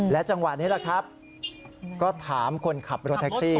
จังหวะนี้แหละครับก็ถามคนขับรถแท็กซี่